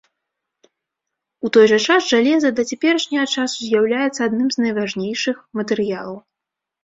У той жа час жалеза да цяперашняга часу з'яўляецца адным з найважнейшых матэрыялаў.